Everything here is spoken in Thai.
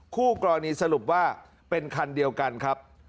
คู่กรณีสรุปว่าเป็นคันเดียวกันครับ